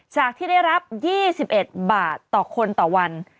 จากที่ได้รับ๒๑บาทต่อคนต่อวัน